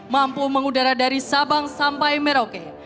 mampu mengudara dari sabang sampai merauke